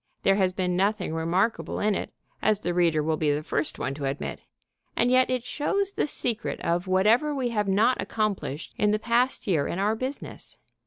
There has been nothing remarkable in it, as the reader will be the first one to admit. And yet it shows the secret of whatever we have not accomplished in the past year in our business.